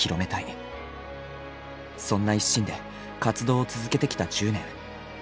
そんな一心で活動を続けてきた１０年。